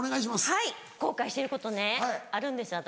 はい後悔してることねあるんです私。